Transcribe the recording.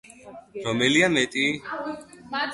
რომელია მეტი?